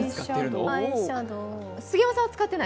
杉山さんは使ってない？